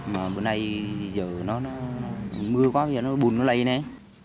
mà bữa nay giờ nó mưa quá giờ nó bùn nó lây này